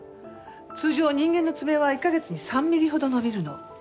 通常人間の爪は１カ月に３ミリほど伸びるの。